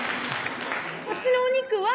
「こっちのお肉は」